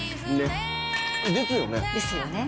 ですよね？